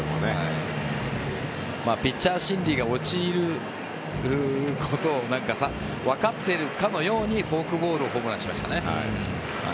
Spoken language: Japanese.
ピッチャー心理が落ちることを分かっているかのようにフォークボールをホームランしましたね。